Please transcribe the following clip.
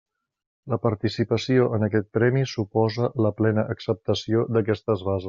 La participació en aquest Premi suposa la plena acceptació d'aquestes bases.